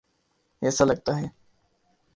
ایسا لگتا ہے۔